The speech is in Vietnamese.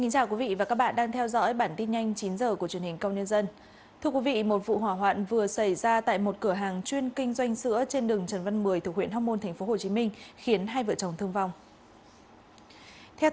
các bạn hãy đăng ký kênh để ủng hộ kênh của chúng mình nhé